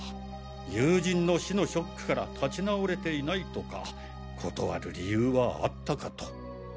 友人の死のショックから立ち直れていないとか断る理由はあったかと。